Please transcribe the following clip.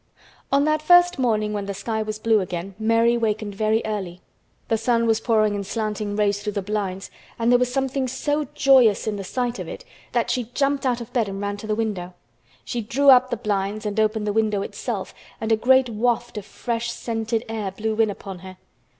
On that first morning when the sky was blue again Mary wakened very early. The sun was pouring in slanting rays through the blinds and there was something so joyous in the sight of it that she jumped out of bed and ran to the window. She drew up the blinds and opened the window itself and a great waft of fresh, scented air blew in upon her.